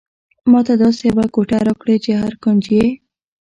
ماته داسې یوه کوټه راکړئ چې هر کونج یې.